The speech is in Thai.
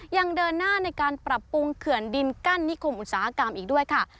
ยังเดินหน้าในการปรับปรุงเขื่อนดินกั้นนิคมอุตสาหกรรมอีกด้วยค่ะ